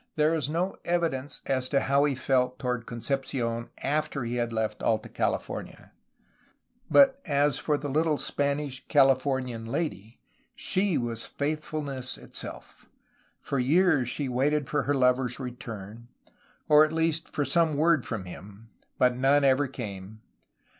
There is no evidence as to how he felt toward Concepci6n after he left Alta California. But as for the little Spanish CaUfornian lady, she was faithfulness itself. For years she waited for her lover's return, or at least for some word from him, but none ever came.